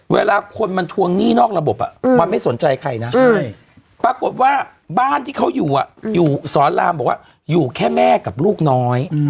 เวลาคนมันทวงหนี้นอกระบบมันไม่สนใจใครนะปรากฏว่าบ้านที่เขาอยู่อยู่สอนรามบอกว่าอยู่แค่แม่กับลูกน้อย